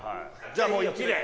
じゃあもう１で。